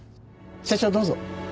社長どうぞ。